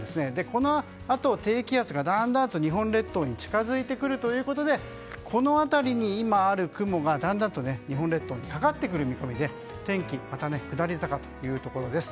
このあと低気圧がだんだんと日本列島に近づいてくるということでこの辺りに今ある雲がだんだんと日本列島にかかってくる見込みで天気でまた下り坂というところです。